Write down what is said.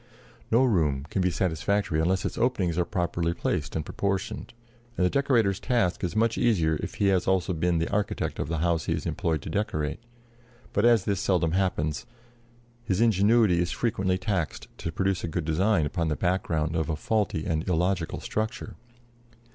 No room can be satisfactory unless its openings are properly placed and proportioned, and the decorator's task is much easier if he has also been the architect of the house he is employed to decorate; but as this seldom happens his ingenuity is frequently taxed to produce a good design upon the background of a faulty and illogical structure.